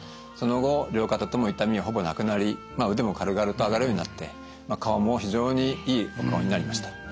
その後両肩とも痛みはほぼなくなり腕も軽々と上がるようになって顔も非常にいいお顔になりました。